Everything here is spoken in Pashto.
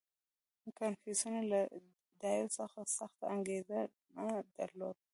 • کنفوسیوس له دایو څخه سخته انګېرنه درلوده.